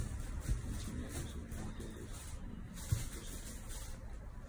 Encima luce un amplio rosetón.